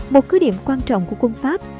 một cứ điểm quan trọng của quân pháp